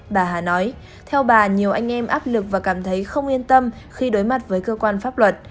bà hà nói theo bà nhiều anh em áp lực và cảm thấy không yên tâm khi đối mặt với cơ quan pháp luật